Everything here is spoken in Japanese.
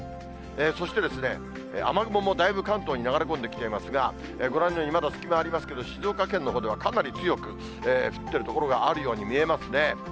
そして、雨雲もだいぶ関東に流れ込んできていますが、ご覧のようにまたまだ隙間ありますけれども、静岡県のほうではかなり強く降っている所があるように見えますね。